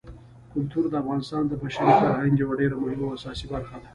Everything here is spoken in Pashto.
کلتور د افغانستان د بشري فرهنګ یوه ډېره مهمه او اساسي برخه ده.